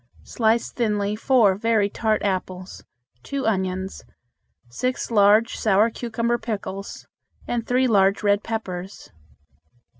Slice thinly four very tart apples, two onions, six large sour cucumber pickles, and three large red peppers.